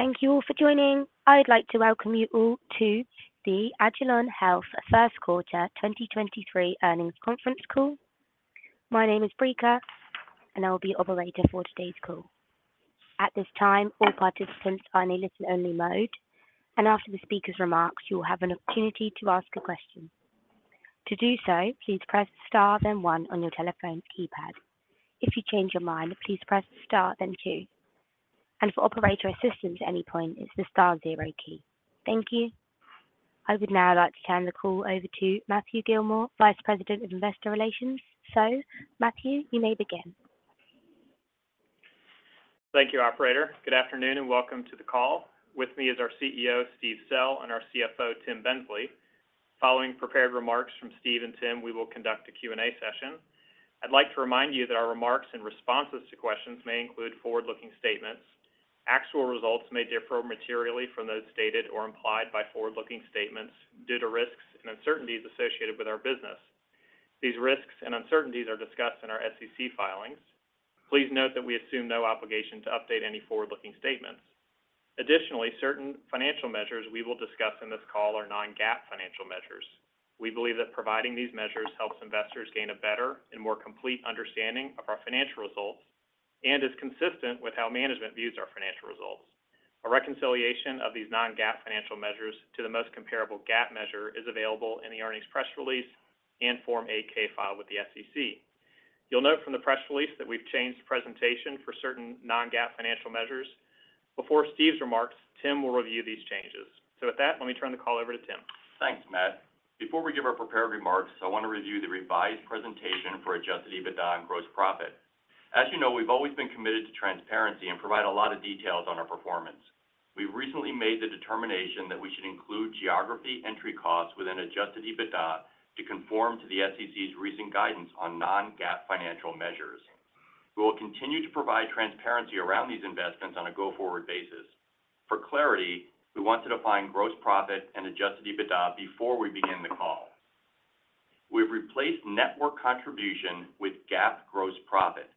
Thank you all for joining. I'd like to welcome you all to agilon health first Quarter 2023 Earnings Conference Call. My name is Brika, and I will be Operator for today's call. At this time, all participants are in a listen-only mode, and after the speaker's remarks, you will have an opportunity to ask a question. To do so, please press Star, then 1 on your telephone keypad. If you change your mind, please press Star, then 2. For Operator assistance at any point, it's the Star 0 key. Thank you. I would now like to turn the call over to Matthew Gillmor, Vice President of Investor Relations. Matthew, you may begin. Thank you, operator. Good afternoon, welcome to the call. With me is our CEO, Steve Sell, and our CFO, Tim Bensley. Following prepared remarks from Steve and Tim, we will conduct a Q&A session. I'd like to remind you that our remarks and responses to questions may include forward-looking statements. Actual results may differ materially from those stated or implied by forward-looking statements due to risks and uncertainties associated with our business. These risks and uncertainties are discussed in our SEC filings. Please note that we assume no obligation to update any forward-looking statements. Additionally, certain financial measures we will discuss in this call are non-GAAP financial measures. We believe that providing these measures helps investors gain a better and more complete understanding of our financial results and is consistent with how management views our financial results. A reconciliation of these non-GAAP financial measures to the most comparable GAAP measure is available in the earnings press release and Form 8-K file with the SEC. You'll note from the press release that we've changed the presentation for certain non-GAAP financial measures. Before Steve's remarks, Tim will review these changes. With that, let me turn the call over to Tim. Thanks, Matt. Before we give our prepared remarks, I want to review the revised presentation for Adjusted EBITDA and Gross Profit. As you know, we've always been committed to transparency and provide a lot of details on our performance. We recently made the determination that we should include geography entry costs within Adjusted EBITDA to conform to the SEC's recent guidance on non-GAAP financial measures. We will continue to provide transparency around these investments on a go-forward basis. For clarity, we want to define Gross Profit and Adjusted EBITDA before we begin the call. We've replaced Network Contribution with GAAP Gross Profit.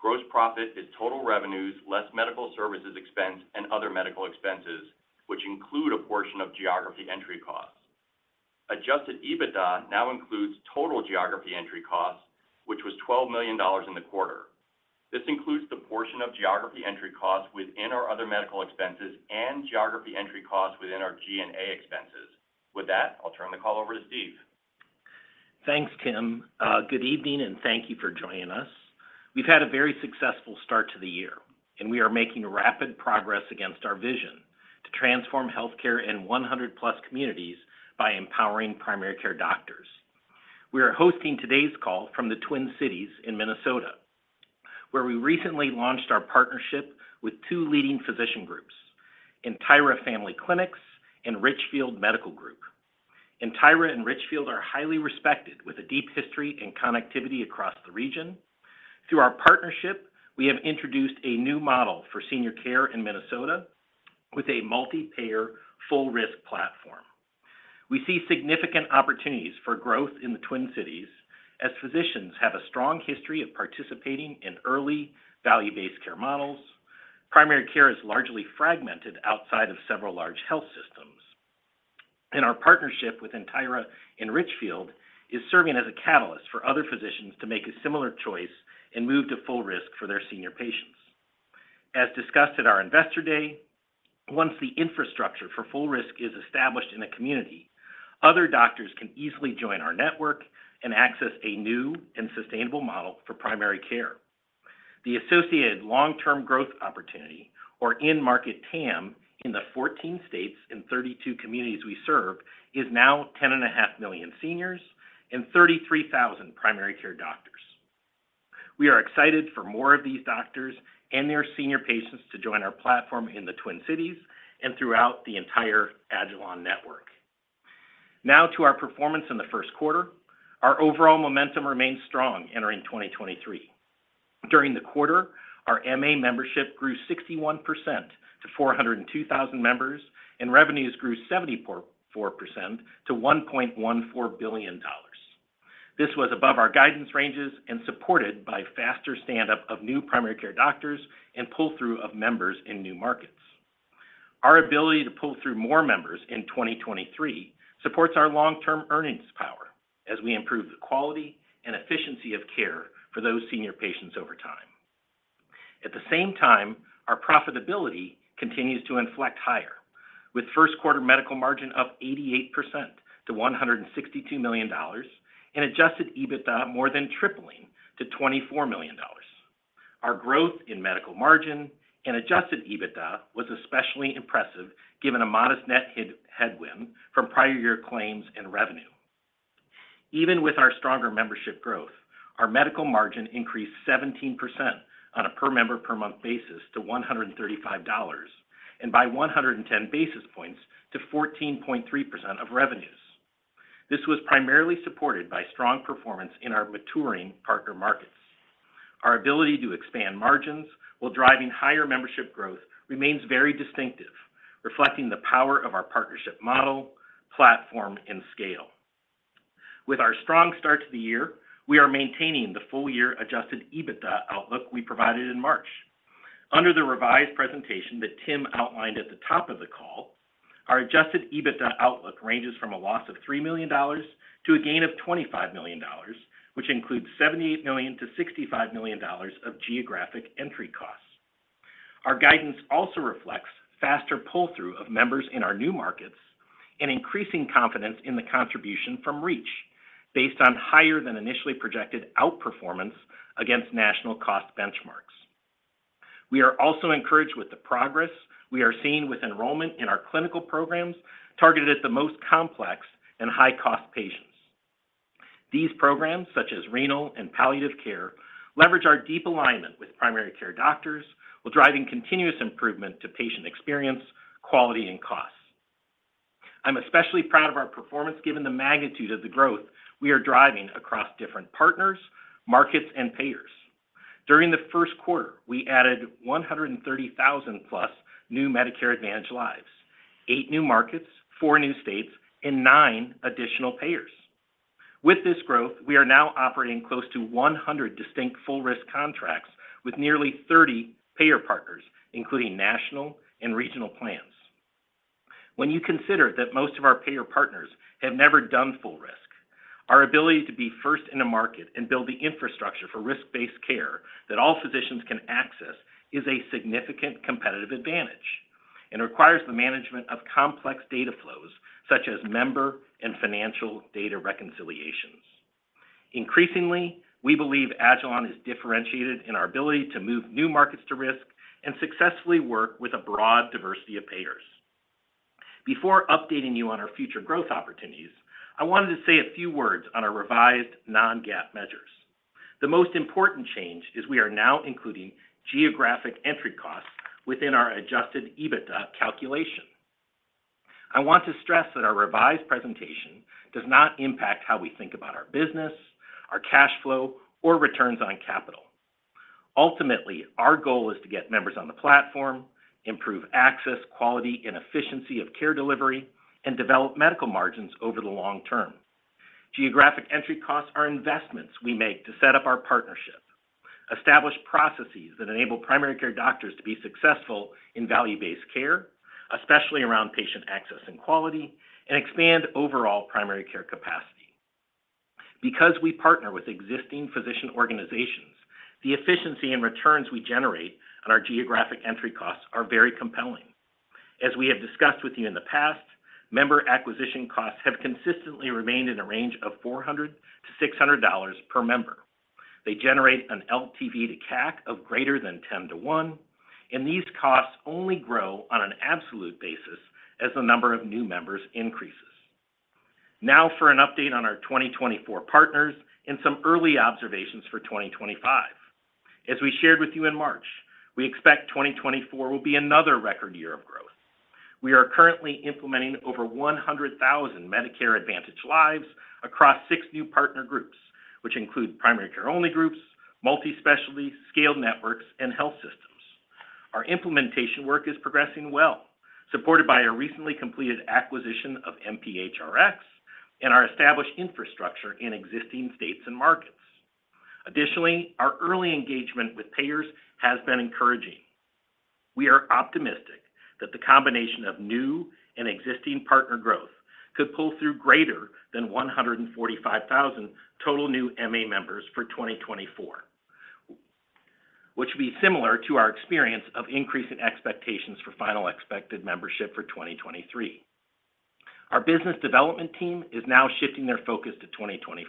Gross Profit is total revenues, less medical services expense, and other medical expenses, which include a portion of geography entry costs. Adjusted EBITDA now includes total geography entry costs, which was $12 million in the quarter. This includes the portion of geography entry costs within our other medical expenses and geography entry costs within our G&A expenses. With that, I'll turn the call over to Steve. Thanks, Tim. Good evening, and thank you for joining us. We've had a very successful start to the year, and we are making rapid progress against our vision to transform healthcare in 100+ communities by empowering primary care doctors. We are hosting today's call from the Twin Cities in Minnesota, where we recently launched our partnership with two leading physician groups, Entira Family Clinics and Richfield Medical Group. Entira and Richfield are highly respected with a deep history and connectivity across the region. Through our partnership, we have introduced a new model for senior care in Minnesota with a multi-payer, full-risk platform. We see significant opportunities for growth in the Twin Cities as physicians have a strong history of participating in early value-based care models. Primary care is largely fragmented outside of several large health systems. Our partnership with Entira and Richfield is serving as a catalyst for other physicians to make a similar choice and move to full risk for their senior patients. As discussed at our Investor Day, once the infrastructure for full risk is established in a community, other doctors can easily join our network and access a new and sustainable model for primary care. The associated long-term growth opportunity or end market TAM in the 14 states and 32 communities we serve is now 10.5 million seniors and 33,000 primary care doctors. We are excited for more of these doctors and their senior patients to join our platform in the Twin Cities and throughout the entire agilon network. To our performance in the first quarter. Our overall momentum remains strong entering 2023. During the quarter, our MA membership grew 61% to 402,000 members. Revenues grew 74% to $1.14 billion. This was above our guidance ranges and supported by faster stand-up of new primary care doctors and pull-through of members in new markets. Our ability to pull through more members in 2023 supports our long-term earnings power as we improve the quality and efficiency of care for those senior patients over time. At the same time, our profitability continues to inflect higher, with first quarter Medical Margin up 88% to $162 million and Adjusted EBITDA more than tripling to $24 million. Our growth in Medical Margin and Adjusted EBITDA was especially impressive given a modest net headwind from prior year claims and revenue. Even with our stronger membership growth, our Medical Margin increased 17% on a per member per month basis to $135 and by 110 basis points to 14.3% of revenues. This was primarily supported by strong performance in our maturing partner markets. Our ability to expand margins while driving higher membership growth remains very distinctive, reflecting the power of our partnership model, platform, and scale. With our strong start to the year, we are maintaining the full year Adjusted EBITDA outlook we provided in March. Under the revised presentation that Tim outlined at the top of the call, our Adjusted EBITDA outlook ranges from a loss of $3 million to a gain of $25 million, which includes $78 million-$65 million of geography entry costs. Our guidance also reflects faster pull-through of members in our new markets and increasing confidence in the contribution from REACH based on higher than initially projected outperformance against national cost benchmarks. We are also encouraged with the progress we are seeing with enrollment in our clinical programs targeted at the most complex and high-cost patients. These programs, such as renal and palliative care, leverage our deep alignment with primary care doctors while driving continuous improvement to patient experience, quality, and costs. I'm especially proud of our performance given the magnitude of the growth we are driving across different partners, markets, and payers. During the first quarter, we added 130,000+ new Medicare Advantage lives, eight new markets, four new states, and nine additional payers. With this growth, we are now operating close to 100 distinct full risk contracts with nearly 30 payer partners, including national and regional plans. You consider that most of our payer partners have never done full risk, our ability to be first in a market and build the infrastructure for risk-based care that all physicians can access is a significant competitive advantage and requires the management of complex data flows such as member and financial data reconciliations. Increasingly, agilon health is differentiated in our ability to move new markets to risk and successfully work with a broad diversity of payers. Before updating you on our future growth opportunities, I wanted to say a few words on our revised non-GAAP measures. The most important change is we are now including geography entry costs within our Adjusted EBITDA calculation. I want to stress that our revised presentation does not impact how we think about our business, our cash flow, or returns on capital. Ultimately, our goal is to get members on the platform, improve access, quality, and efficiency of care delivery, and develop medical margins over the long term. Geography entry costs are investments we make to set up our partnership, establish processes that enable primary care doctors to be successful in value-based care, especially around patient access and quality, and expand overall primary care capacity. Because we partner with existing physician organizations, the efficiency and returns we generate on our geography entry costs are very compelling. As we have discussed with you in the past, member acquisition costs have consistently remained in a range of $400-$600 per member. They generate an LTV to CAC of greater than 10 to 1, and these costs only grow on an absolute basis as the number of new members increases. For an update on our 2024 partners and some early observations for 2025. As we shared with you in March, we expect 2024 will be another record year of growth. We are currently implementing over 100,000 Medicare Advantage lives across 6 new partner groups, which include primary care only groups, multi-specialty scaled networks, and health systems. Our implementation work is progressing well, supported by our recently completed acquisition of mphrX and our established infrastructure in existing states and markets. Our early engagement with payers has been encouraging. We are optimistic that the combination of new and existing partner growth could pull through greater than 145,000 total new MA members for 2024, which would be similar to our experience of increasing expectations for final expected membership for 2023. Our business development team is now shifting their focus to 2025.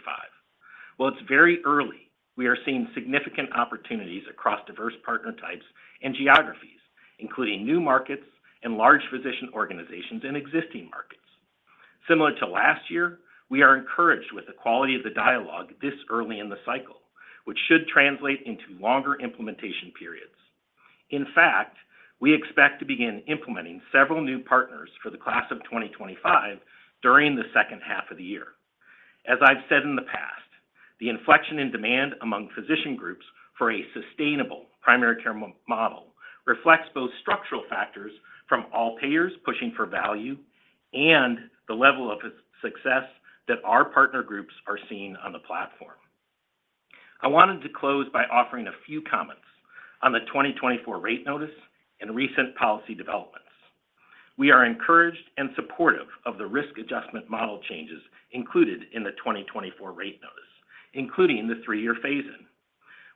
While it's very early, we are seeing significant opportunities across diverse partner types and geographies, including new markets and large physician organizations in existing markets. Similar to last year, we are encouraged with the quality of the dialogue this early in the cycle, which should translate into longer implementation periods. In fact, we expect to begin implementing several new partners for the class of 2025 during the second half of the year. As I've said in the past, the inflection in demand among physician groups for a sustainable primary care model reflects both structural factors from all payers pushing for value and the level of success that our partner groups are seeing on the platform. I wanted to close by offering a few comments on the 2024 rate notice and recent policy developments. We are encouraged and supportive of the risk adjustment model changes included in the 2024 rate notice, including the three-year phase-in.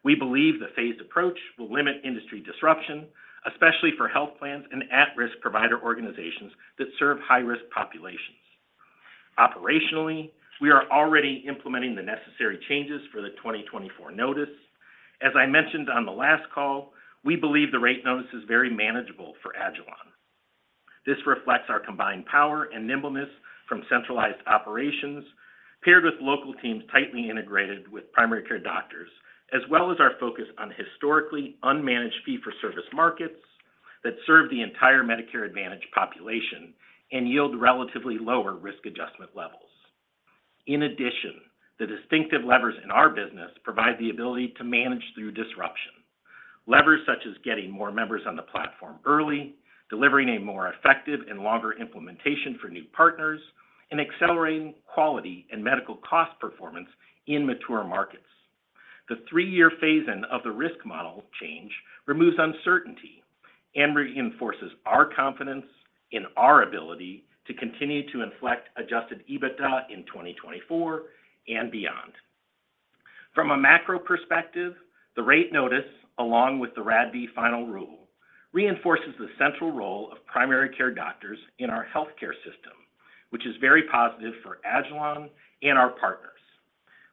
We believe the phased approach will limit industry disruption, especially for health plans and at-risk provider organizations that serve high-risk populations. Operationally, we are already implementing the necessary changes for the 2024 notice. As I mentioned on the last call, we believe the rate notice is very manageable for agilon. This reflects our combined power and nimbleness from centralized operations paired with local teams tightly integrated with primary care doctors, as well as our focus on historically unmanaged fee-for-service markets that serve the entire Medicare Advantage population and yield relatively lower risk adjustment levels. In addition, the distinctive levers in our business provide the ability to manage through disruption. Levers such as getting more members on the platform early, delivering a more effective and longer implementation for new partners, and accelerating quality and medical cost performance in mature markets. The three-year phase-in of the risk model change removes uncertainty and reinforces our confidence in our ability to continue to inflect adjusted EBITDA in 2024 and beyond. From a macro perspective, the rate notice, along with the RADV final rule, reinforces the central role of primary care doctors in our healthcare system, which is very positive for agilon and our partners.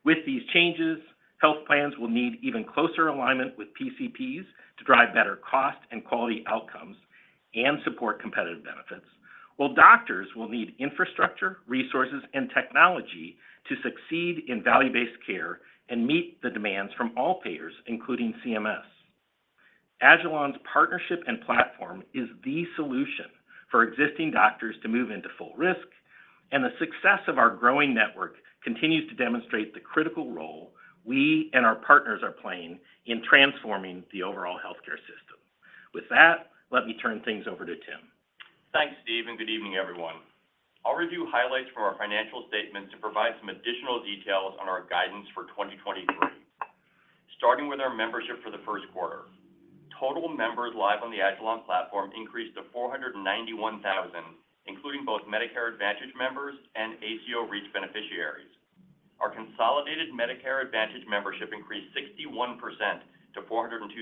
With these changes, health plans will need even closer alignment with PCPs to drive better cost and quality outcomes and support competitive benefits. Doctors will need infrastructure, resources, and technology to succeed in value-based care and meet the demands from all payers, including CMS. agilon's partnership and platform is the solution for existing doctors to move into full risk, and the success of our growing network continues to demonstrate the critical role we and our partners are playing in transforming the overall healthcare system. With that, let me turn things over to Tim. Thanks, Steve. Good evening, everyone. I'll review highlights from our financial statements to provide some additional details on our guidance for 2023. Starting with our membership for the first quarter. Total members live on the agilon platform increased to 491,000, including both Medicare Advantage members and ACO REACH beneficiaries. Our consolidated Medicare Advantage membership increased 61% to 402,000.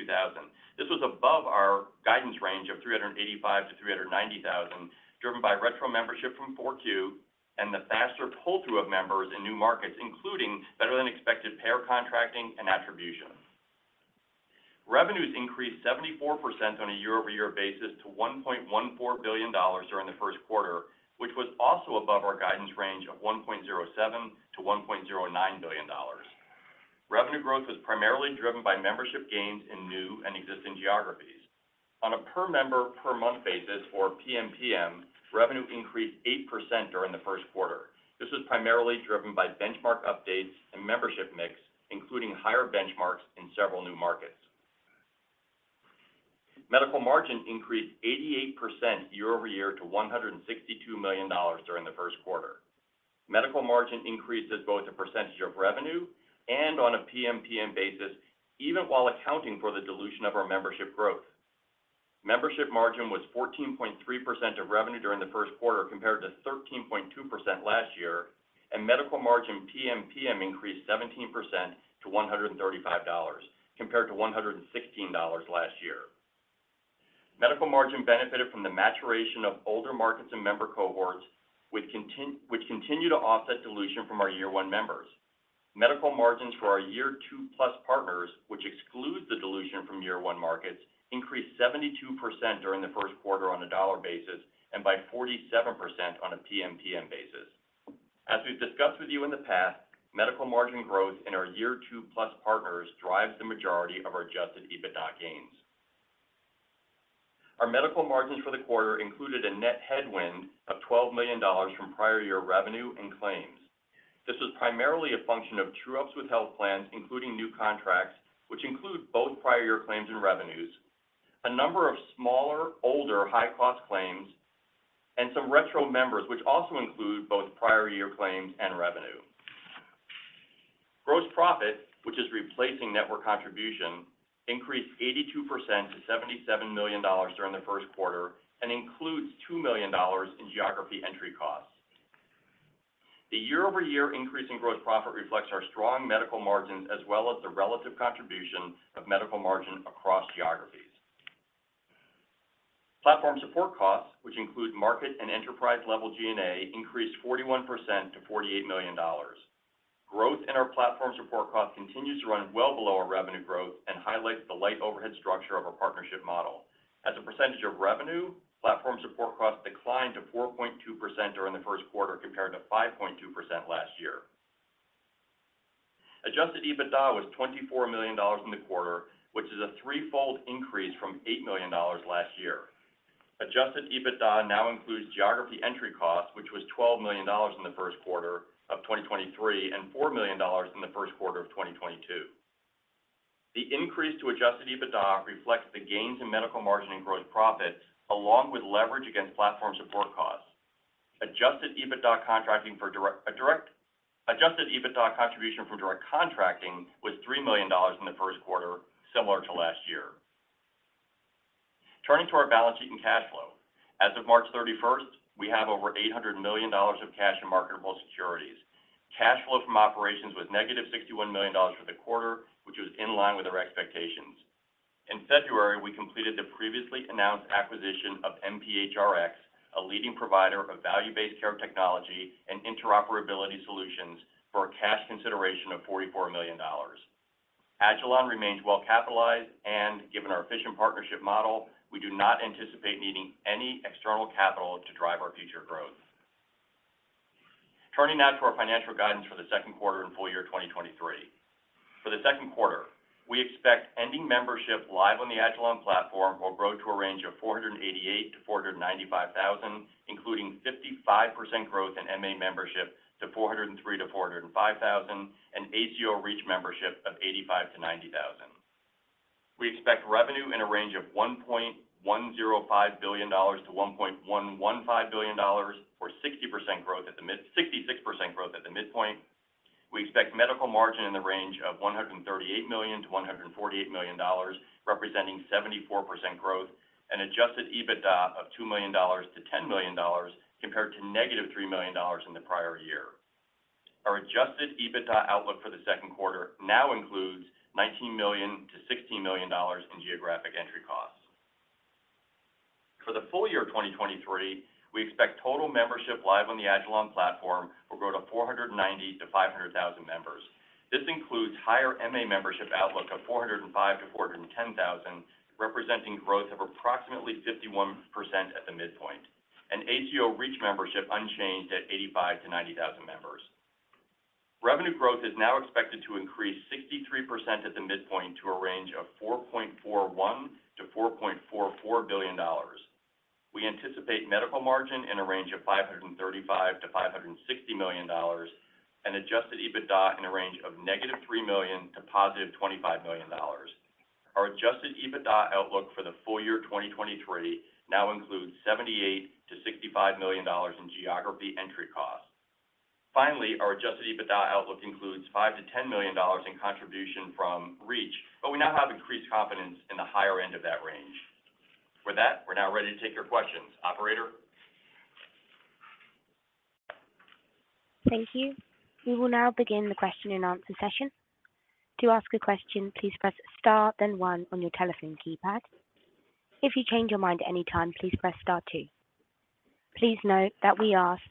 This was above our guidance range of 385,000-390,000, driven by retro membership from 4Q and the faster pull-through of members in new markets, including better-than-expected payer contracting and attribution. Revenues increased 74% on a year-over-year basis to $1.14 billion during the first quarter, which was also above our guidance range of $1.07 billion-$1.09 billion. Revenue growth was primarily driven by membership gains in new and existing geographies. On a per member per month basis or PMPM, revenue increased 8% during the first quarter. This was primarily driven by benchmark updates and membership mix, including higher benchmarks in several new markets. Medical Margin increased 88% year-over-year to $162 million during the first quarter. Medical Margin increased as both a percentage of revenue and on a PMPM basis, even while accounting for the dilution of our membership growth. Membership margin was 14.3% of revenue during the first quarter, compared to 13.2% last year, and Medical Margin PMPM increased 17% to $135, compared to $116 last year. Medical Margin benefited from the maturation of older markets and member cohorts, which continue to offset dilution from our year one members. Medical Margins for our year two plus partners, which excludes the dilution from year one markets, increased 72% during the first quarter on a dollar basis, and by 47% on a PMPM basis. As we've discussed with you in the past, Medical Margin growth in our year two plus partners drives the majority of our Adjusted EBITDA gains. Our Medical Margins for the quarter included a net headwind of $12 million from prior year revenue and claims. This was primarily a function of true-ups with health plans, including new contracts, which include both prior year claims and revenues, a number of smaller, older, high-cost claims, and some retro members, which also include both prior year claims and revenue. Gross Profit, which is replacing Network Contribution, increased 82% to $77 million during the first quarter and includes $2 million in geography entry costs. The year-over-year increase in Gross Profit reflects our strong Medical Margin, as well as the relative contribution of Medical Margin across geographies. Platform support costs, which include market and enterprise-level G&A, increased 41% to $48 million. Growth in our platform support cost continues to run well below our revenue growth and highlights the light overhead structure of our partnership model. As a percentage of revenue, platform support costs declined to 4.2% during the first quarter, compared to 5.2% last year. Adjusted EBITDA was $24 million in the quarter, which is a threefold increase from $8 million last year. Adjusted EBITDA now includes geography entry cost, which was $12 million in the first quarter of 2023, and $4 million in the first quarter of 2022. The increase to Adjusted EBITDA reflects the gains in Medical Margin and Gross Profit, along with leverage against platform support costs. Adjusted EBITDA contribution from Direct Contracting was $3 million in the first quarter, similar to last year. Turning to our balance sheet and cash flow. As of March 31st, we have over $800 million of cash and marketable securities. Cash flow from operations was negative $61 million for the quarter, which was in line with our expectations. In February, we completed the previously announced acquisition of mphrX, a leading provider of value-based care technology and interoperability solutions, for a cash consideration of $44 million. agilon remains well capitalized, and given our efficient partnership model, we do not anticipate needing any external capital to drive our future growth. Turning now to our financial guidance for the second quarter and full year 2023. For the second quarter, we expect ending membership live on the agilon platform will grow to a range of 488,000-495,000, including 5% growth in MA membership to 403,000-405,000, and ACO REACH membership of 85,000-90,000. We expect revenue in a range of $1.105 billion-$1.115 billion, or 66% growth at the midpoint. We expect medical margin in the range of $138 million-$148 million, representing 74% growth, and Adjusted EBITDA of $2 million-$10 million compared to -$3 million in the prior year. Our Adjusted EBITDA outlook for the second quarter now includes $19 million-$16 million in geography entry costs. For the full year of 2023, we expect total membership live on the agilon platform will grow to 490,000-500,000 members. This includes higher MA membership outlook of 405,000-410,000, representing growth of approximately 51% at the midpoint, and ACO REACH membership unchanged at 85,000-90,000 members. Revenue growth is now expected to increase 63% at the midpoint to a range of $4.41 billion-$4.44 billion. We anticipate Medical Margin in a range of $535 million-$560 million and Adjusted EBITDA in a range of -$3 million to +$25 million. Our Adjusted EBITDA outlook for the full year 2023 now includes $78 million-$65 million in geography entry costs. Our Adjusted EBITDA outlook includes $5 million-$10 million in contribution from REACH, but we now have increased confidence in the higher end of that range. We're now ready to take your questions. Operator? Thank you. We will now begin the question and answer session. To ask a question, please press star then one on your telephone keypad. If you change your mind at any time, please press star two. Please note that we ask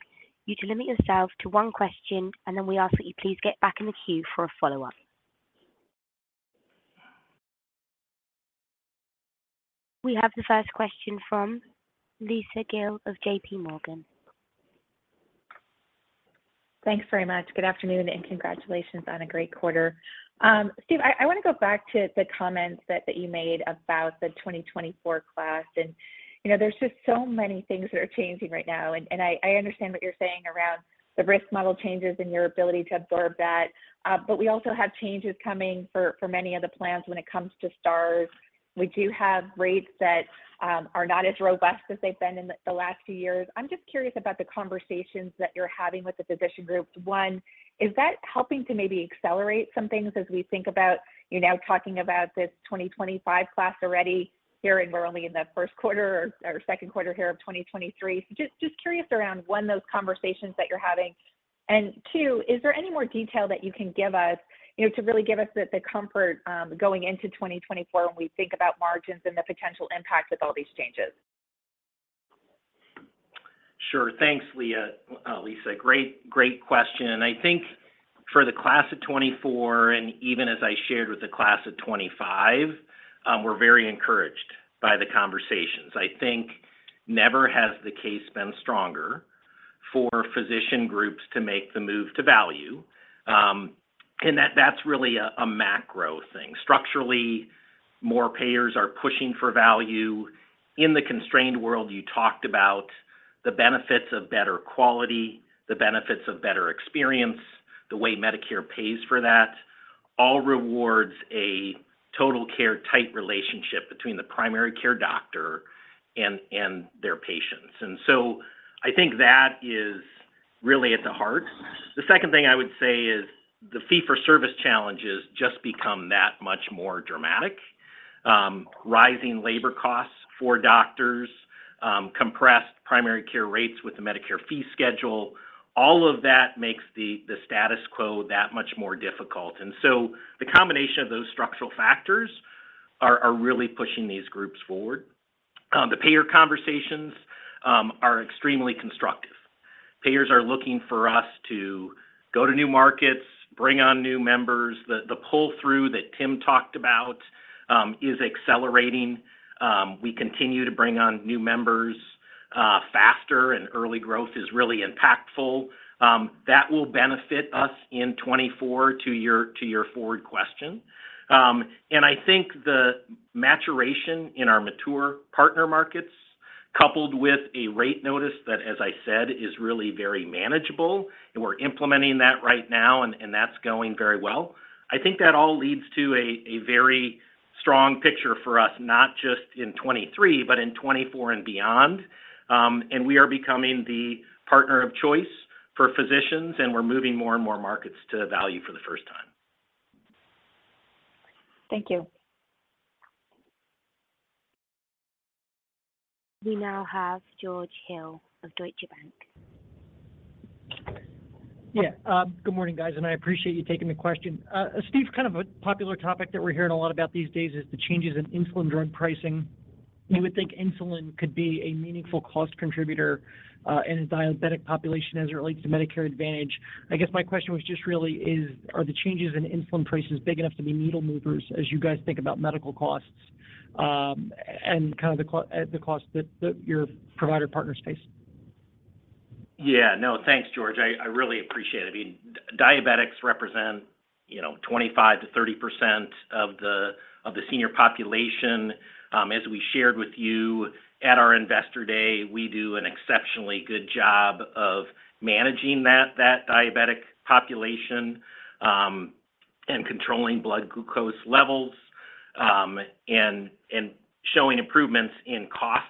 you to limit yourself to one question, and then we ask that you please get back in the queue for a follow-up. We have the first question from Lisa Gill of J.P. Morgan. Thanks very much. Good afternoon, and congratulations on a great quarter. Steve, I want to go back to the comments that you made about the 2024 class. You know, there's just so many things that are changing right now, and I understand what you're saying around the risk model changes and your ability to absorb that. We also have changes coming for many of the plans when it comes to stars. We do have rates that are not as robust as they've been in the last few years. I'm just curious about the conversations that you're having with the physician group. One, is that helping to maybe accelerate some things as we think about, you're now talking about this 2025 class already here, and we're only in the first quarter or second quarter here of 2023? Just curious around when those conversations that you're having? Two, is there any more detail that you can give us, you know, to really give us the comfort, going into 2024 when we think about margins and the potential impact of all these changes? Sure. Thanks, Lisa. Great question. I think for the class of 2024, and even as I shared with the class of 2025, we're very encouraged by the conversations. I think never has the case been stronger for physician groups to make the move to value, and that's really a macro thing. Structurally, more payers are pushing for value. In the constrained world, you talked about the benefits of better quality, the benefits of better experience, the way Medicare pays for that, all rewards a total care tight relationship between the primary care doctor and their patients. I think that is really at the heart. The second thing I would say is the fee-for-service challenges just become that much more dramatic. Rising labor costs for doctors, compressed primary care rates with the Medicare fee schedule, all of that makes the status quo that much more difficult. The combination of those structural factors are really pushing these groups forward. The payer conversations are extremely constructive. Payers are looking for us to go to new markets, bring on new members. The pull-through that Tim talked about is accelerating. We continue to bring on new members faster, and early growth is really impactful. That will benefit us in 2024 to your forward question. I think the maturation in our mature partner markets, coupled with a rate notice that, as I said, is really very manageable, and we're implementing that right now, and that's going very well. I think that all leads to a very strong picture for us, not just in 2023, but in 2024 and beyond. We are becoming the partner of choice for physicians, and we're moving more and more markets to value for the first time. Thank you. We now have George Hill of Deutsche Bank. Yeah. Good morning, guys. I appreciate you taking the question. Steve, kind of a popular topic that we're hearing a lot about these days is the changes in insulin drug pricing. You would think insulin could be a meaningful cost contributor in a diabetic population as it relates to Medicare Advantage. I guess my question was just really is, are the changes in insulin prices big enough to be needle movers as you guys think about medical costs and kind of the cost that your provider partners face? Yeah. No, thanks, George. I really appreciate it. I mean, diabetics represent you know, 25%-30% of the senior population, as we shared with you at our Investor Day, we do an exceptionally good job of managing that diabetic population, and controlling blood glucose levels, and showing improvements in cost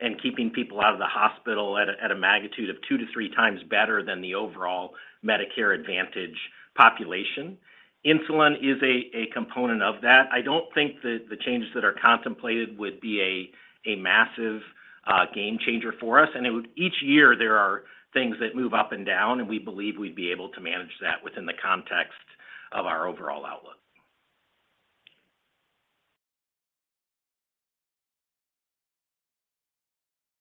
and keeping people out of the hospital at a magnitude of 2x-3x better than the overall Medicare Advantage population. Insulin is a component of that. I don't think that the changes that are contemplated would be a massive game changer for us. Each year, there are things that move up and down, and we believe we'd be able to manage that within the context of our overall outlook.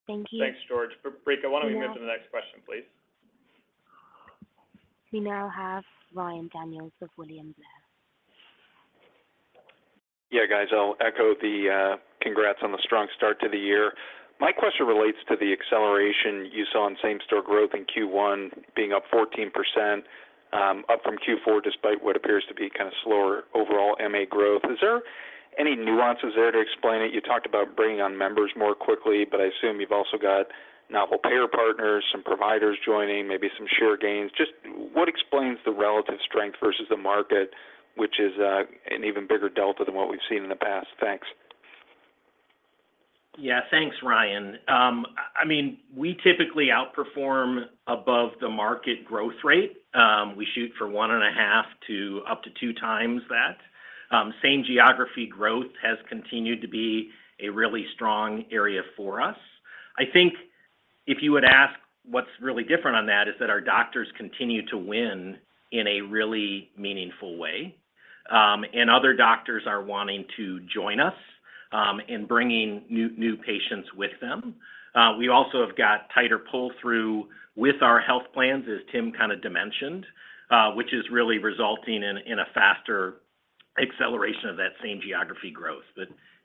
Thank you. Thanks, George. Rika, why don't we move to the next question, please? We now have Ryan Daniels of William Blair. Guys, I'll echo the congrats on the strong start to the year. My question relates to the acceleration you saw in same-store growth in Q1 being up 14%, up from Q4, despite what appears to be kind of slower overall MA growth. Is there any nuances there to explain it? You talked about bringing on members more quickly, but I assume you've also got novel payer partners, some providers joining, maybe some share gains. What explains the relative strength versus the market, which is an even bigger delta than what we've seen in the past? Thanks. Yeah. Thanks, Ryan. I mean, we typically outperform above the market growth rate. We shoot for 1.5x to up to 2x that. Same geography growth has continued to be a really strong area for us. I think if you would ask what's really different on that is that our doctors continue to win in a really meaningful way, and other doctors are wanting to join us in bringing new patients with them. We also have got tighter pull-through with our health plans, as Tim kind of dimensioned, which is really resulting in a faster acceleration of that same geography growth.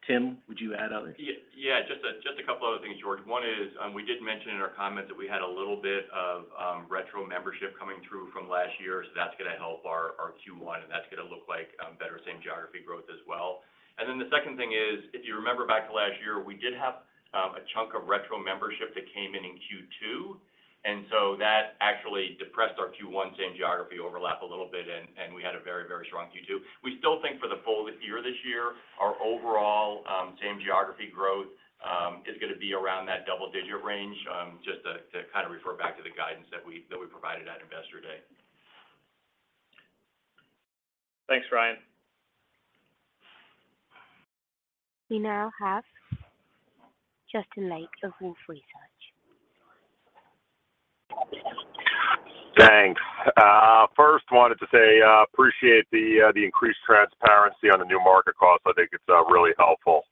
Tim, would you add other? Yeah. Just a couple other things, George. One is, we did mention in our comments that we had a little bit of retro membership coming through from last year, so that's gonna help our Q1, and that's gonna look like better same geography growth as well. Then the second thing is, if you remember back to last year, we did have a chunk of retro membership that came in in Q2, so that actually depressed our Q1 same geography overlap a little bit, and we had a very, very strong Q2. We still think for the full year this year, our overall same geography growth is gonna be around that double-digit range, just to kind of refer back to the guidance that we provided at Investor Day. Thanks, Ryan. We now have Justin Lake of Wolfe Research. Thanks. First wanted to say, appreciate the increased transparency on the new market cost. I think it's really helpful.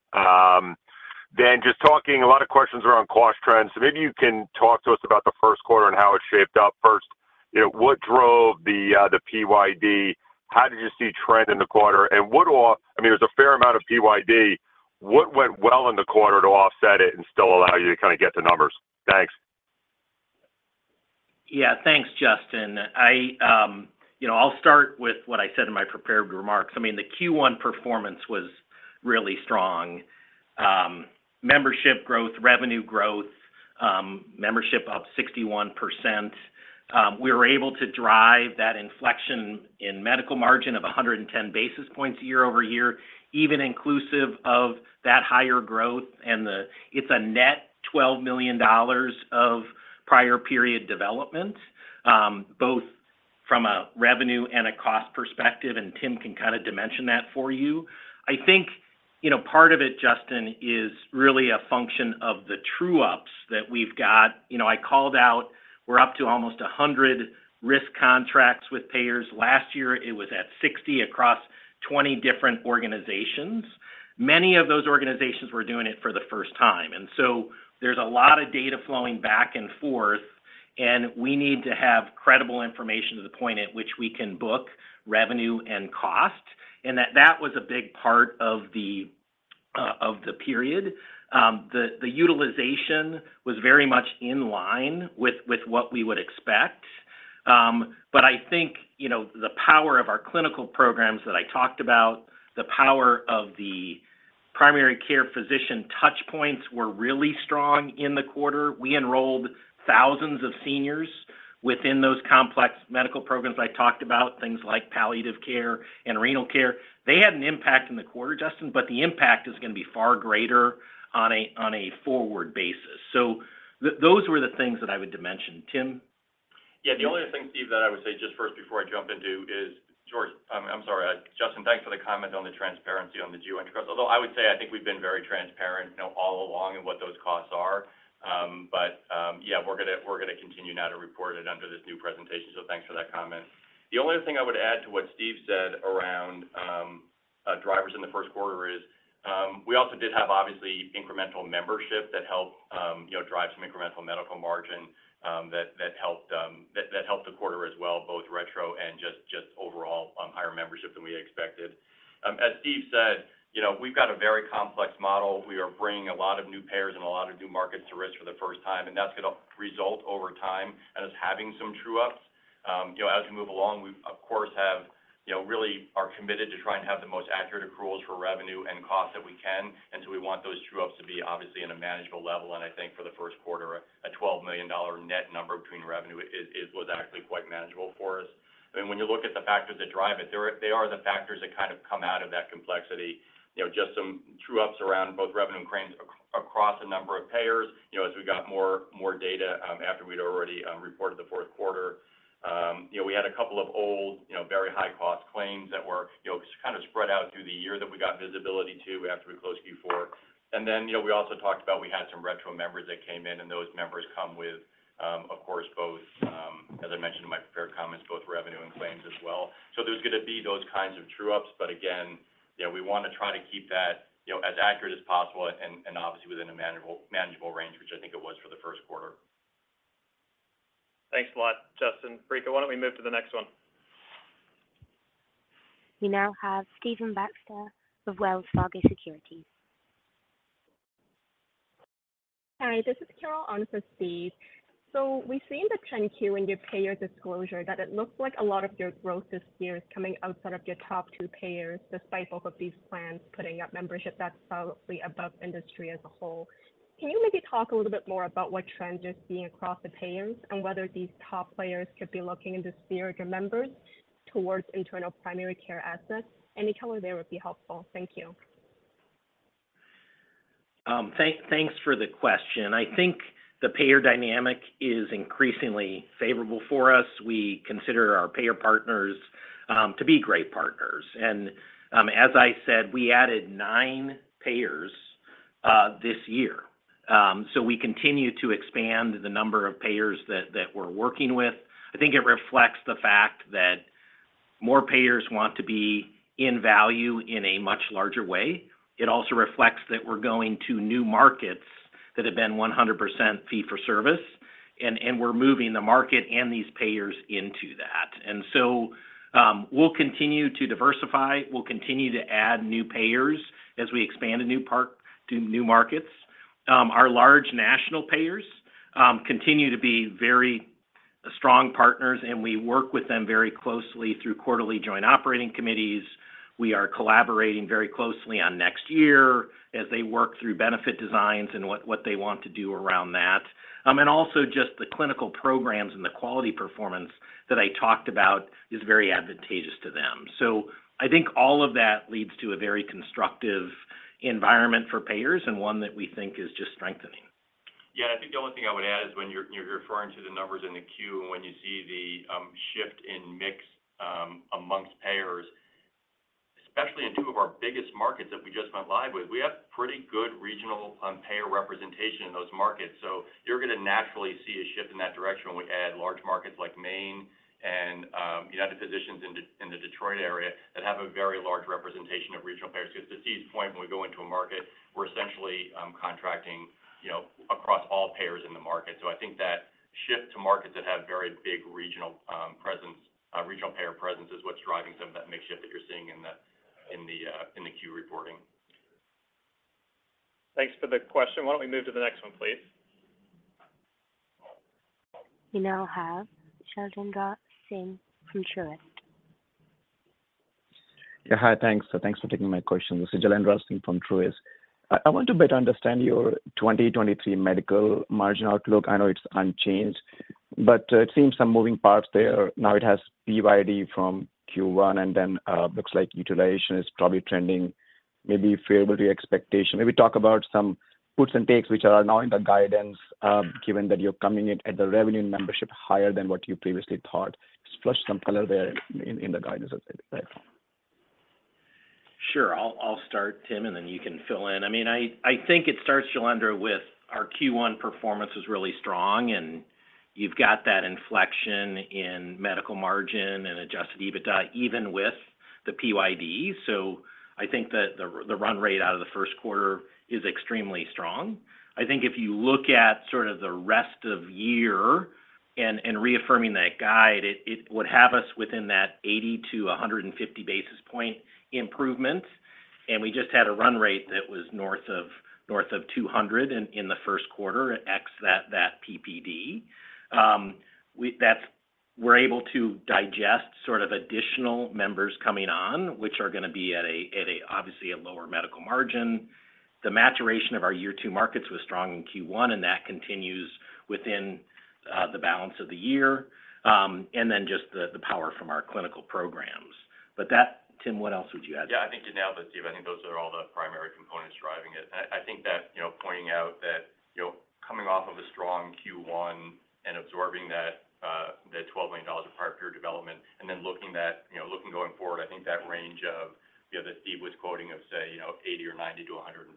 Just talking a lot of questions around cost trends. Maybe you can talk to us about the first quarter and how it shaped up. First, you know, what drove the PYD? How did you see trend in the quarter? What off-- I mean, there's a fair amount of PYD. What went well in the quarter to offset it and still allow you to kinda get the numbers? Thanks. Yeah. Thanks, Justin. I, you know, I'll start with what I said in my prepared remarks. I mean, the Q1 performance was really strong. Membership growth, revenue growth, membership up 61%. We were able to drive that inflection in Medical Margin of 110 basis points year over year, even inclusive of that higher growth. It's a net $12 million of prior period development, both from a revenue and a cost perspective, and Tim can kind of dimension that for you. I think, you know, part of it, Justin, is really a function of the true ups that we've got. You know, I called out we're up to almost 100 risk contracts with payers. Last year, it was at 60 across 20 different organizations. Many of those organizations were doing it for the first time. There's a lot of data flowing back and forth, and we need to have credible information to the point at which we can book revenue and cost. That was a big part of the period. The utilization was very much in line with what we would expect. I think, you know, the power of our clinical programs that I talked about, the power of the primary care physician touch points were really strong in the quarter. We enrolled thousands of seniors within those complex medical programs I talked about, things like palliative care and renal care. They had an impact in the quarter, Justin, but the impact is gonna be far greater on a forward basis. Those were the things that I would dimension. Tim? Yeah. The only other thing, Steve Sell, that I would say just first before I jump into is, I mean, I'm sorry. Justin Lake, thanks for the comment on the transparency on the geo interest. I would say I think we've been very transparent, you know, all along in what those costs are. Yeah, we're gonna continue now to report it under this new presentation, thanks for that comment. The only other thing I would add to what Steve Sell said around drivers in the first quarter is, we also did have obviously incremental membership that helped, you know, drive some incremental Medical Margin that helped the quarter as well, both retro and just overall higher membership than we had expected. As Steve Sell said, you know, we've got a very complex model. We are bringing a lot of new payers and a lot of new markets to risk for the first time, that's gonna result over time as having some true-ups. You know, as we move along, we, of course, have, you know, really are committed to trying to have the most accurate accruals for revenue and cost that we can. We want those true-ups to be obviously in a manageable level. I think for the first quarter, a $12 million net number between revenue was actually quite manageable for us. I mean, when you look at the factors that drive it, they are the factors that kind of come out of that complexity. You know, just some true-ups around both revenue and claims across a number of payers, you know, as we got more data after we'd already reported the fourth quarter. You know, we had a couple of old, you know, very high-cost claims that were, you know, kind of spread out through the year that we got visibility to after we closed Q4. Then, you know, we also talked about we had some retro members that came in, and those members come with, of course, both, as I mentioned in my prepared comments, both revenue and claims as well. There's gonna be those kinds of true-ups. Again, you know, we wanna try to keep that, you know, as accurate as possible and obviously within a manageable range, which I think it was for the first quarter. Thanks a lot, Justin. Rika, why don't we move to the next one? We now have Stephen Baxter of Wells Fargo Securities. Hi, this is Carol on for Steve. We've seen the 10-Q in your payer disclosure that it looks like a lot of your growth this year is coming outside of your top two payers, despite both of these plans putting up membership that's probably above industry as a whole. Can you maybe talk a little bit more about what trend you're seeing across the payers and whether these top players could be looking into steer or members towards internal primary care assets? Any color there would be helpful. Thank you. Thanks for the question. I think the payer dynamic is increasingly favorable for us. We consider our payer partners to be great partners. As I said, we added nine payers this year. We continue to expand the number of payers that we're working with. I think it reflects the fact that more payers want to be in value in a much larger way. It also reflects that we're going to new markets that have been 100% fee-for-service, and we're moving the market and these payers into that. We'll continue to diversify. We'll continue to add new payers as we expand to new markets. Our large national payers continue to be very strong partners, and we work with them very closely through quarterly joint operating committees. We are collaborating very closely on next year as they work through benefit designs and what they want to do around that. Also just the clinical programs and the quality performance that I talked about is very advantageous to them. I think all of that leads to a very constructive environment for payers and one that we think is just strengthening. Yeah. I think the only thing I would add is when you're referring to the numbers in the Q, when you see the shift in mix amongst payers, especially in two of our biggest markets that we just went live with, we have pretty good regional payer representation in those markets. You're gonna naturally see a shift in that direction when we add large markets like Maine and United Physicians in the Detroit area that have a very large representation of regional payers. 'Cause to Steve's point, when we go into a market, we're essentially contracting, you know, across all payers in the market. I think that shift to markets that have very big regional presence, regional payer presence is what's driving some of that mix shift that you're seeing in the Q reporting. Thanks for the question. Why don't we move to the next one, please? We now have Jailendra Singh from Truist. Yeah. Hi. Thanks. Thanks for taking my question. This is Jailendra Singh from Truist. I want to better understand your 2023 Medical Margin outlook. I know it's unchanged. It seems some moving parts there. Now it has PYD from Q1. Looks like utilization is probably trending maybe favorably expectation. Maybe talk about some puts and takes, which are now in the guidance, given that you're coming in at the revenue membership higher than what you previously thought. Just flush some color there in the guidance therefore. Sure. I'll start, Tim, and then you can fill in. I mean, I think it starts, Jailendra Singh, with our Q1 performance was really strong, and you've got that inflection in medical margin and Adjusted EBITDA even with the PYD. I think that the run rate out of the first quarter is extremely strong. I think if you look at sort of the rest of year and reaffirming that guide, it would have us within that 80 to 150 basis point improvement. We just had a run rate that was north of 200 in the first quarter at X that PMPM. We're able to digest sort of additional members coming on, which are gonna be at a, obviously, a lower medical margin. The maturation of our year two markets was strong in Q1, and that continues within the balance of the year, and then just the power from our clinical programs. Tim, what else would you add? Yeah. I think to nail that, Steve, I think those are all the primary components driving it. I think that, you know, pointing out that, you know, coming off of a strong Q1 and absorbing that $12 million of partner development and then looking going forward, I think that range of, you know, that Steve was quoting of, say, you know, 80 or 90 to 150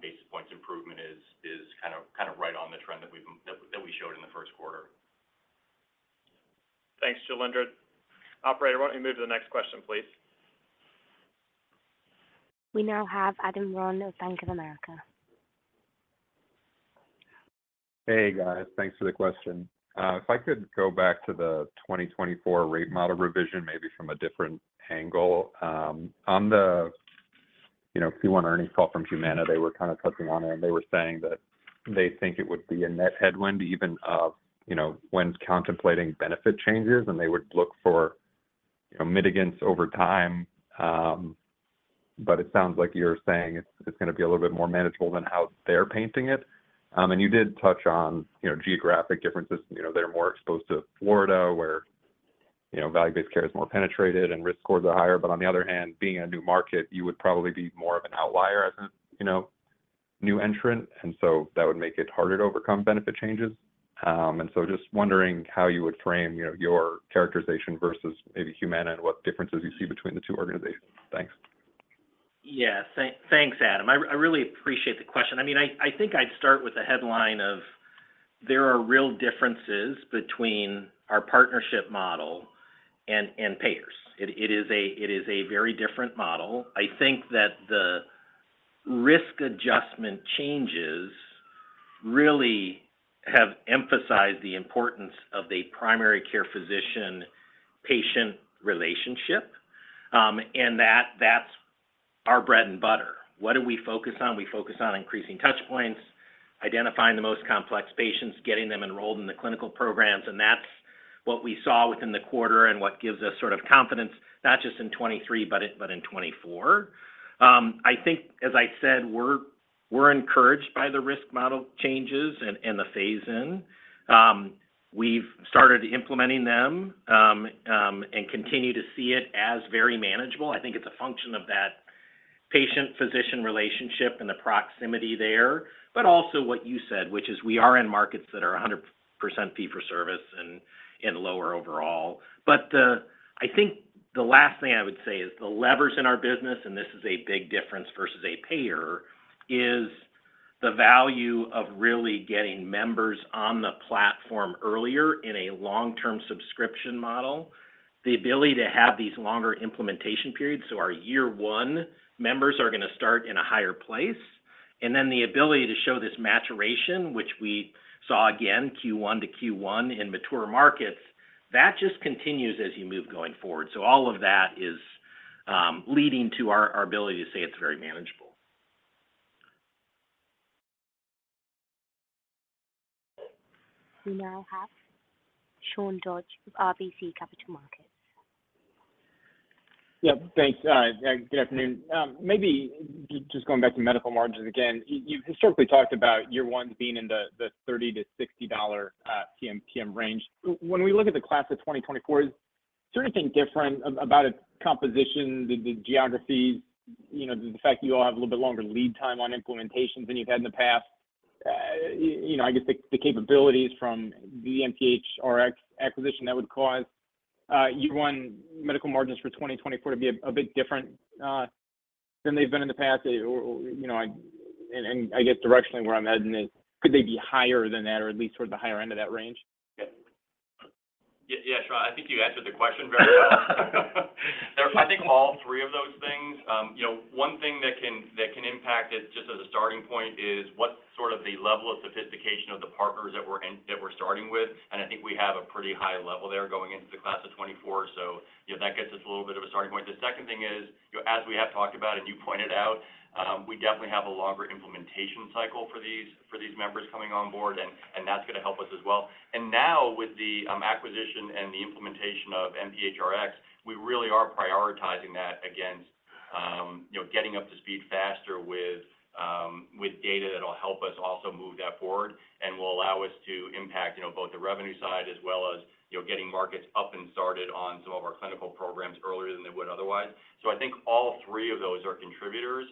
basis points improvement is kind of right on the trend that we showed in the first quarter. Thanks, Jailendra. Operator, why don't we move to the next question, please? We now have Adam Ron of Bank of America. Hey guys, thanks for the question. If I could go back to the 2024 rate model revision, maybe from a different angle. On the, you know, Q1 earnings call from Humana, they were kinda touching on it, and they were saying that they think it would be a net headwind even of, you know, when contemplating benefit changes, and they would look for, you know, mitigants over time. It sounds like you're saying it's gonna be a little bit more manageable than how they're painting it. You did touch on, you know, geographic differences. You know, they're more exposed to Florida, where, you know, value-based care is more penetrated and risk scores are higher. On the other hand, being a new market, you would probably be more of an outlier as a, you know, new entrant. That would make it harder to overcome benefit changes. Just wondering how you would frame, you know, your characterization versus maybe Humana and what differences you see between the two organizations. Thanks. Yeah. Thanks, Adam. I really appreciate the question. I mean, I think I'd start with the headline of there are real differences between our partnership model and payers. It is a very different model. I think that the risk adjustment changes really have emphasized the importance of the primary care physician-patient relationship, and that's our bread and butter. What do we focus on? We focus on increasing touch points, identifying the most complex patients, getting them enrolled in the clinical programs, and that's what we saw within the quarter and what gives us sort of confidence, not just in 2023, but in 2024. I think, as I said, we're encouraged by the risk model changes and the phase-in. We've started implementing them and continue to see it as very manageable. I think it's a function of that patient-physician relationship and the proximity there, but also what you said, which is we are in markets that are 100% fee-for-service and lower overall. I think the last thing I would say is the levers in our business, and this is a big difference versus a payer, is the value of really getting members on the platform earlier in a long-term subscription model, the ability to have these longer implementation periods, so our year one members are gonna start in a higher place. The ability to show this maturation, which we saw again, Q1 to Q1 in mature markets, that just continues as you move going forward. All of that is leading to our ability to say it's very manageable. We now have Sean Dodge with RBC Capital Markets. Yep. Thanks. Yeah, good afternoon. Maybe just going back to medical margins again. You've historically talked about year one being in the $30-$60 PMPM range. When we look at the class of 2024, is there anything different about its composition, the geographies, you know, the fact that you all have a little bit longer lead time on implementations than you've had in the past? You know, I guess the capabilities from the mphrX acquisition that would cause year one medical margins for 2024 to be a bit different than they've been in the past? Or, you know, I guess directionally where I'm heading is, could they be higher than that or at least toward the higher end of that range? Yeah. Yeah, Sean, I think you answered the question very well. I think all three of those things. You know, one thing that can impact it just as a starting point is what sort of the level of sophistication of the partners that we're starting with, I think we have a pretty high level there going into the class of 2024. You know, that gets us a little bit of a starting point. The second thing is, you know, as we have talked about and you pointed out, we definitely have a longer implementation cycle for these members coming on board, and that's gonna help us as well. Now with the acquisition and the implementation of mphrX, we really are prioritizing that against, you know, getting up to speed faster with data that'll help us also move that forward and will allow us to impact, you know, both the revenue side as well as, you know, getting markets up and started on some of our clinical programs earlier than they would otherwise. I think all three of those are contributors.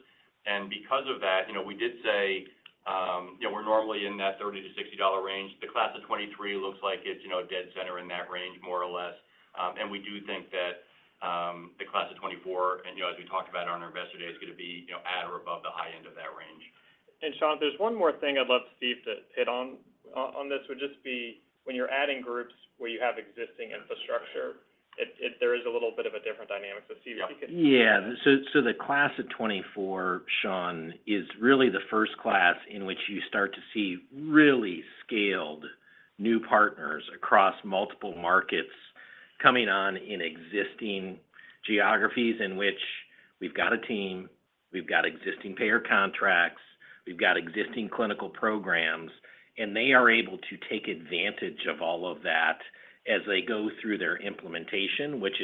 Because of that, you know, we did say, you know, we're normally in that $30-$60 range. The class of 2023 looks like it's, you know, dead center in that range, more or less. We do think that the class of 2024, and, you know, as we talked about on our Investor Day, is gonna be, you know, at or above the high end of that range. Sean, there's one more thing I'd love Steve to hit on this, would just be when you're adding groups where you have existing infrastructure, there is a little bit of a different dynamic, so Steve, if you could. Yeah. The class of 2024, Sean, is really the first class in which you start to see really scaled new partners across multiple markets coming on in existing geographies in which we've got a team, we've got existing payer contracts, we've got existing clinical programs, and they are able to take advantage of all of that as they go through their implementation, which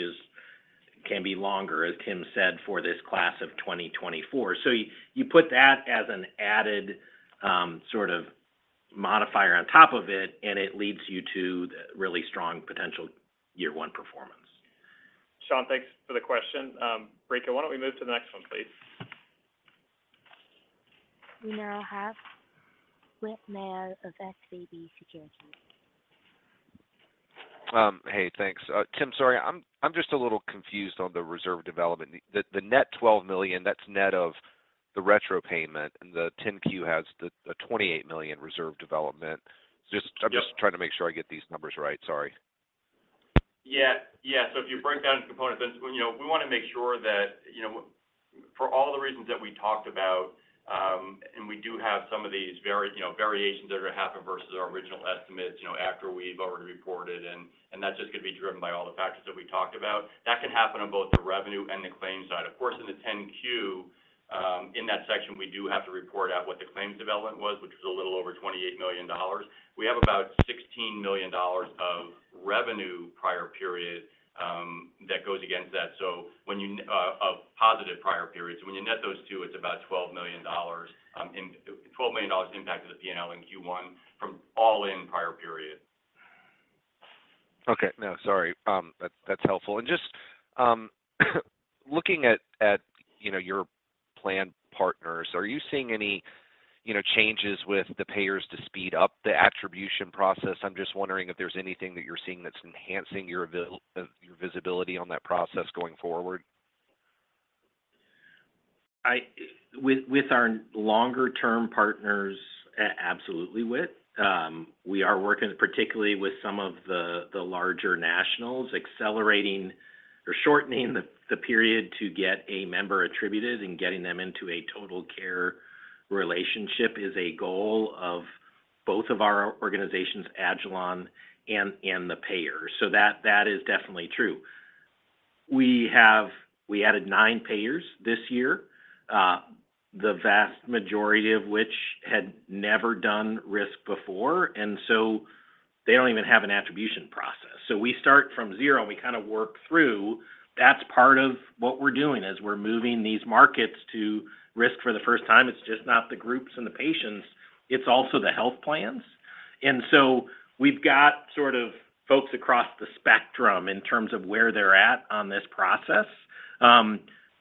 can be longer, as Tim said, for this class of 2024. You put that as an added sort of modifier on top of it, and it leads you to the really strong potential year 1 performance. Sean, thanks for the question. Rika, why don't we move to the next one, please? We now have Whit Mayo of SVB Securities. Hey, thanks. Tim, sorry, I'm just a little confused on the reserve development. The net $12 million, that's net of the retro payment, and the 10-Q has the $28 million reserve development. Yeah. I'm just trying to make sure I get these numbers right. Sorry. Yeah. Yeah. If you break down into components, then, you know, we wanna make sure that, you know, for all the reasons that we talked about, and we do have some of these variations that are gonna happen versus our original estimates, you know, after we've already reported and that's just gonna be driven by all the factors that we talked about. That can happen on both the revenue and the claims side. Of course, in the 10-Q, in that section, we do have to report out what the claims development was, which was a little over $28 million. We have about $16 million of revenue prior period that goes against that, of positive prior periods. When you net those two, it's about $12 million impact to the PNL in Q1 from all in prior periods. Okay. No, sorry. That's helpful. Just looking at, you know, your plan partners, are you seeing any, you know, changes with the payers to speed up the attribution process? I'm just wondering if there's anything that you're seeing that's enhancing your visibility on that process going forward? With our longer-term partners, absolutely, Whit. We are working particularly with some of the larger nationals, accelerating or shortening the period to get a member attributed and getting them into a total care relationship is a goal of both of our agilon health and the payer. That is definitely true. We added 9 payers this year, the vast majority of which had never done risk before, and they don't even have an attribution process. We start from zero, and we kinda work through. That's part of what we're doing, is we're moving these markets to risk for the first time. It's just not the groups and the patients, it's also the health plans. We've got sort of folks across the spectrum in terms of where they're at on this process,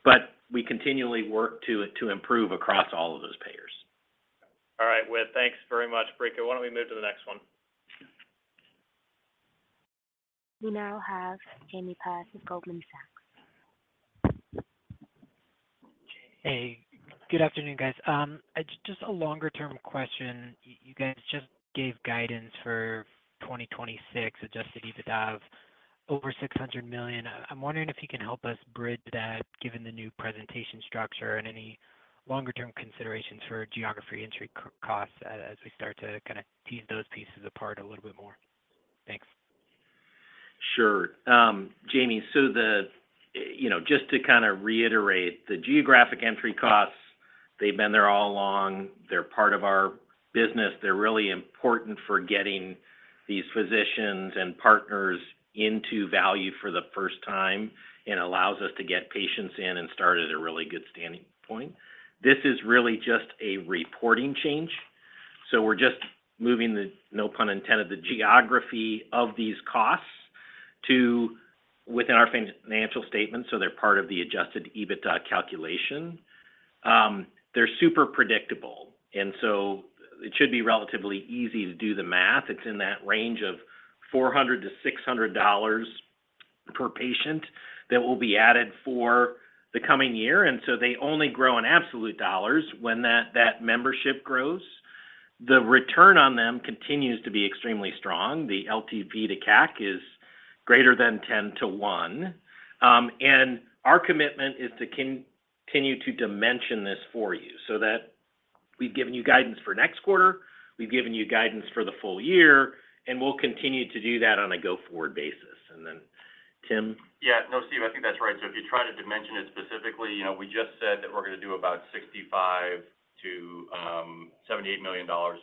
but we continually work to improve across all of those payers. All right, Whit. Thanks very much. Operator, why don't we move to the next one? We now have Jamie Perse with Goldman Sachs. Hey, good afternoon, guys. Just a longer-term question. You guys just gave guidance for 2026 Adjusted EBITDA of over $600 million. I'm wondering if you can help us bridge that given the new presentation structure and any longer term considerations for geography entry costs as we start to kinda tease those pieces apart a little bit more. Thanks. Sure. Jamie, you know, just to kinda reiterate, the geography entry costs, they've been there all along. They're part of our business. They're really important for getting these physicians and partners into value for the first time and allows us to get patients in and start at a really good standing point. This is really just a reporting change, so we're just moving the, no pun intended, the geography of these costs to within our financial statements, so they're part of the Adjusted EBITDA calculation. They're super predictable, and so it should be relatively easy to do the math. It's in that range of $400-$600 per patient that will be added for the coming year. They only grow in absolute dollars when that membership grows. The return on them continues to be extremely strong. The LTV to CAC is greater than 10 to one. Our commitment is to continue to dimension this for you so that we've given you guidance for next quarter, we've given you guidance for the full year, and we'll continue to do that on a go-forward basis. Then, Tim. Yeah. No, Steve, I think that's right. If you try to dimension it specifically, you know, we just said that we're gonna do about $65 million-$78 million of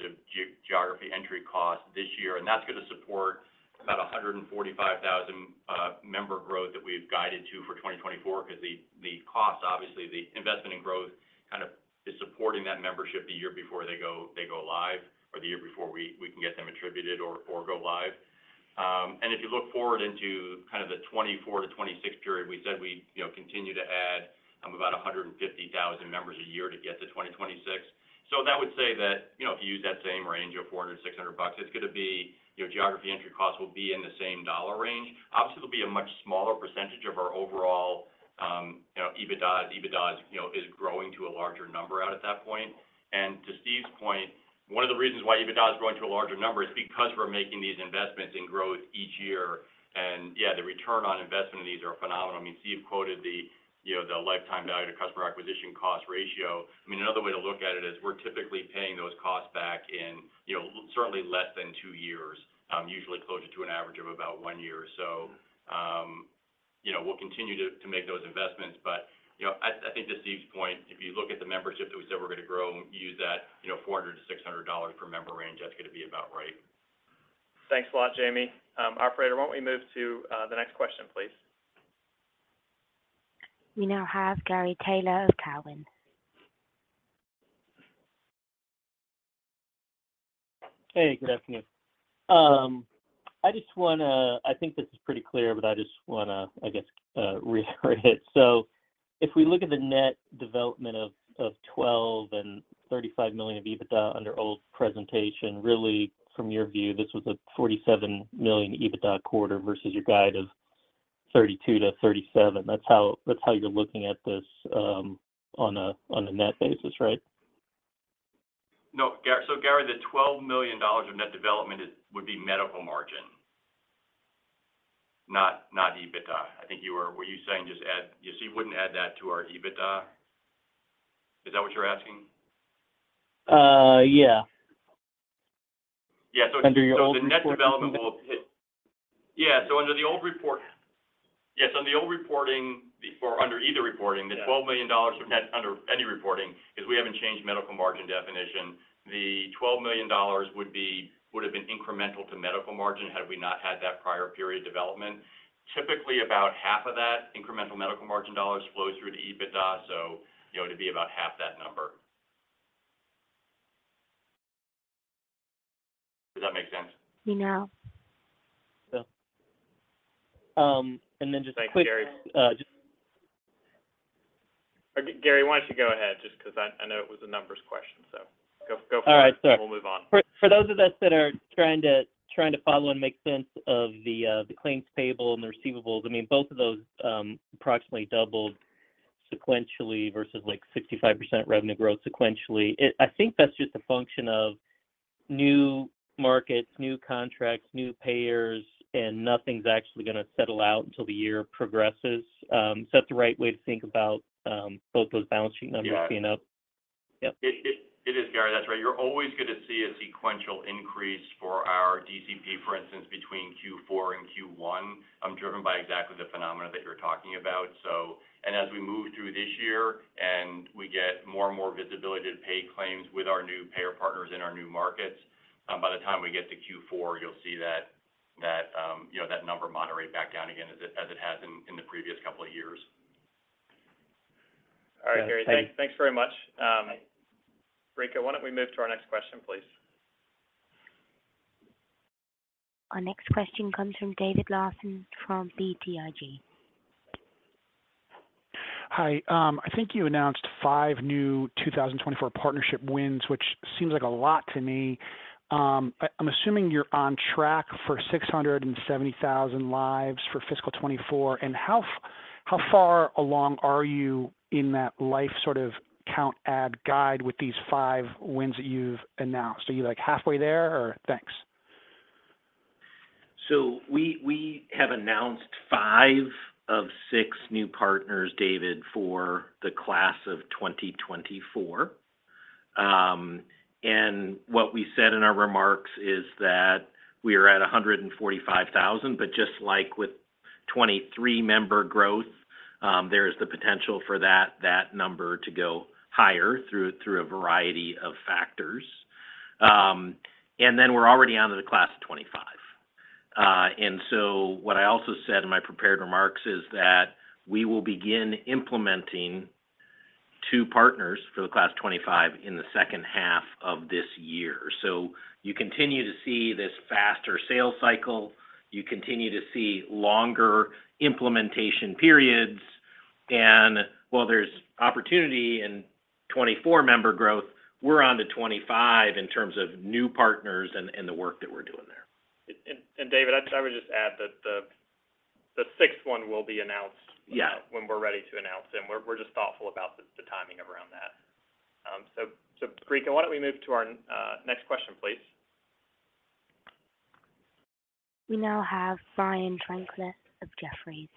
geography entry costs this year, and that's gonna support about 145,000 member growth that we've guided to for 2024 cause the cost, obviously, the investment in growth kind of is supporting that membership the year before they go live or the year before we can get them attributed or go live. If you look forward into kind of the 2024-2026 period, we said we'd, you know, continue to add about 150,000 members a year to get to 2026. That would say that, you know, if you use that same range of $400-$600, it's gonna be, you know, geography entry costs will be in the same dollar range. Obviously, it'll be a much smaller percentage of our overall, you know, EBITDA. EBITDA is, you know, is growing to a larger number out at that point. To Steve's point, one of the reasons why EBITDA is growing to a larger number is because we're making these investments in growth each year. Yeah, the return on investment in these are phenomenal. I mean, Steve quoted the, you know, the Lifetime Value to Customer Acquisition Cost ratio. I mean, another way to look at it is we're typically paying those costs back in, you know, certainly less than two years, usually closer to an average of about one year. You know, we'll continue to make those investments. You know, I think to Steve's point, if you look at the membership that we said we're gonna grow and use that, you know, $400-$600 per member range, that's gonna be about right. Thanks a lot, Jamie. Operator, why don't we move to the next question, please? We now have Gary Taylor of Cowen. Hey, good afternoon. I just wanna, I think this is pretty clear, but I just wanna, I guess, reiterate it. If we look at the net development of $12 million and $35 million of EBITDA under old presentation, really from your view, this was a $47 million EBITDA quarter versus your guide of $32 million-$37 million. That's how you're looking at this on a net basis, right? No, Gary, the $12 million of net development is, would be Medical Margin, not EBITDA. Were you saying just add... You wouldn't add that to our EBITDA? Is that what you're asking? Yeah. Yeah. Under your old report. The net development will hit. Under the old report, yes, on the old reporting, or under either reporting... Yeah... the $12 million of net under any reporting, because we haven't changed medical margin definition, the $12 million would be, would have been incremental to medical margin had we not had that prior period development. Typically, about half of that incremental medical margin dollars flows through to EBITDA. You know, it'd be about half that number. Does that make sense? We know. Yeah. just a Thank you, Gary. Uh, just- Gary, why don't you go ahead, just 'cause I know it was a numbers question, so go for it. All right, sir. We'll move on. For those of us that are trying to follow and make sense of the claims payable and the receivables, I mean, both of those approximately doubled sequentially versus, like, 65% revenue growth sequentially. I think that's just a function of new markets, new contracts, new payers, nothing's actually gonna settle out until the year progresses. Is that the right way to think about both those balance sheet numbers clean up? Yeah. Yep. It is, Gary. That's right. You're always gonna see a sequential increase for our DCP, for instance, between Q4 and Q1, driven by exactly the phenomena that you're talking about. As we move through this year and we get more and more visibility to pay claims with our new payer partners in our new markets, by the time we get to Q4, you'll see that, you know, that number moderate back down again as it has in the previous couple of years. Yeah, thank you. All right, Gary. Thanks very much. Rika, why don't we move to our next question, please? Our next question comes from David Larsen from BTIG. Hi. I think you announced five new 2024 partnership wins, which seems like a lot to me. I'm assuming you're on track for 670,000 lives for fiscal 2024. How far along are you in that life sort of count add guide with these 5 wins that you've announced? Are you, like, halfway there, or? Thanks. We have announced five of six new partners, David, for the class of 2024. What we said in our remarks is that we are at 145,000, but just like with 23 member growth, there is the potential for that number to go higher through a variety of factors. We're already onto the class of 2025. What I also said in my prepared remarks is that we will begin implementing two partners for the class of 2025 in the second half of this year. You continue to see this faster sales cycle. You continue to see longer implementation periods. While there's opportunity in 24 member growth, we're onto 25 in terms of new partners and the work that we're doing there. David, I would just add that the sixth one will be announced. Yeah when we're ready to announce, and we're just thoughtful about the timing around that. Rika, why don't we move to our next question, please? We now have Brian Tanquilut of Jefferies.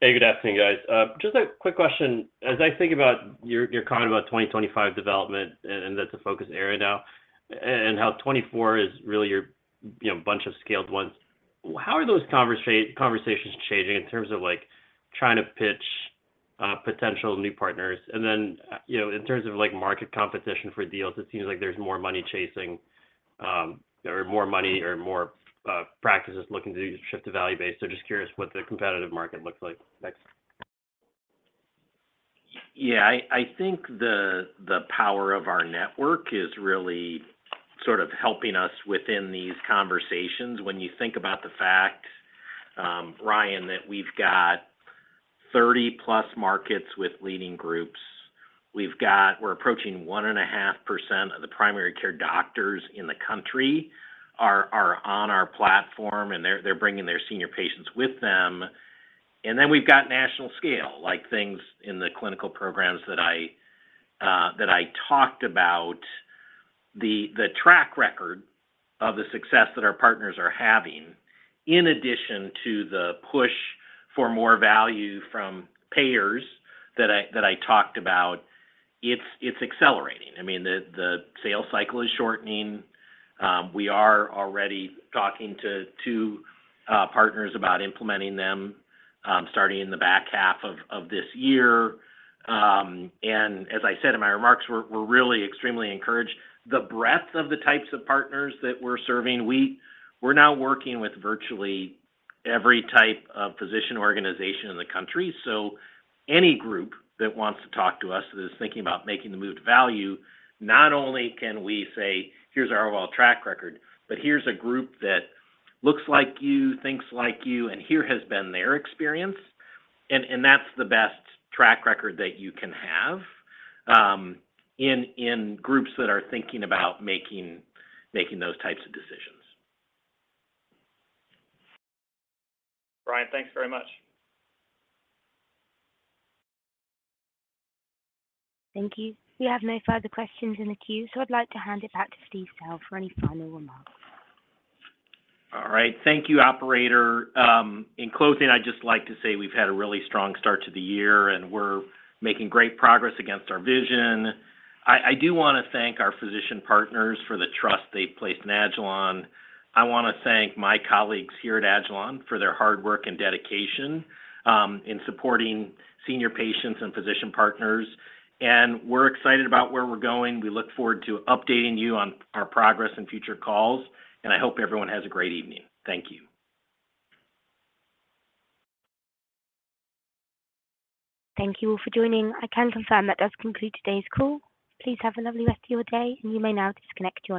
Hey, good afternoon, guys. Just a quick question. As I think about your comment about 2025 development, and that's a focus area now, and how 2024 is really your, you know, bunch of scaled ones, how are those conversations changing in terms of, like, trying to pitch potential new partners? You know, in terms of, like, market competition for deals, it seems like there's more money chasing, or more money or more practices looking to shift to value-based. Just curious what the competitive market looks like. Thanks. Yeah. I think the power of our network is really sort of helping us within these conversations. When you think about the fact, Ryan, that we've got 30+ markets with leading groups, we're approaching 1.5% of the primary care doctors in the country are on our platform, and they're bringing their senior patients with them. We've got national scale, like things in the clinical programs that I talked about. The track record of the success that our partners are having, in addition to the push for more value from payers that I talked about, it's accelerating. I mean, the sales cycle is shortening. We are already talking to two partners about implementing them, starting in the back half of this year. As I said in my remarks, we're really extremely encouraged. The breadth of the types of partners that we're serving, we're now working with virtually every type of physician organization in the country. Any group that wants to talk to us that is thinking about making the move to value, not only can we say, "Here's our overall track record, but here's a group that looks like you, thinks like you, and here has been their experience." That's the best track record that you can have in groups that are thinking about making those types of decisions. Brian, thanks very much. Thank you. We have no further questions in the queue, so I'd like to hand it back to Steve Sell for any final remarks. All right. Thank you, operator. In closing, I'd just like to say we've had a really strong start to the year, and we're making great progress against our vision. I do wanna thank our physician partners for the trust they've placed in agilon. I wanna thank my colleagues here at agilon for their hard work and dedication in supporting senior patients and physician partners. We're excited about where we're going. We look forward to updating you on our progress in future calls, I hope everyone has a great evening. Thank you. Thank you all for joining. I can confirm that does conclude today's call. Please have a lovely rest of your day, and you may now disconnect your lines.